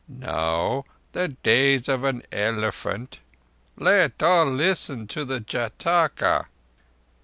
Now the days of an elephant—let all listen to the _Jâtaka!